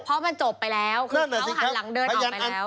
เพราะมันจบไปแล้วคือเขาหันหลังเดินออกไปแล้ว